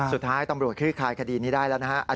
สุดท้ายตำรวจคลี่คลายคดีนี้ได้แล้วนะฮะ